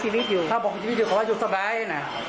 ชีวิตอยู่เขาอยู่สบายนะ